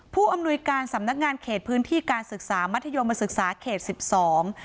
ผู้อำนวยการสำนักงานเขตพื้นที่การศึกษามัธยมศึกษาเขตสิบสอง